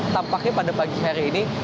tampaknya pada pagi hari ini